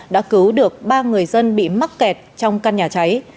đã cứu được ba người dân bị mắc kẹt trong căn nhà cháy